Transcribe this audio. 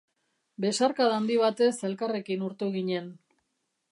Besarkada handi batez elkarrekin urtu ginen.